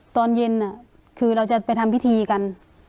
ตอนเย็นคือเราจะไปทำพิธีกัน